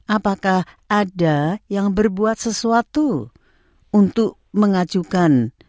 apakah ada yang berbuat sesuatu untuk mengajukan